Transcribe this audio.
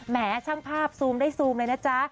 แหมช่างภาพซูมได้ซูมเลยนะจ๊ะ